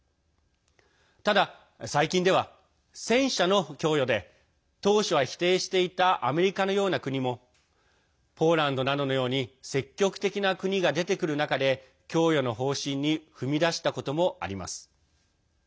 ただ、最近では戦車の供与で当初は否定していたアメリカのような国もポーランドなどのように積極的な国が出てくる中で供与の方針に踏み出したこともあります。